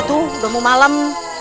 udah mau malam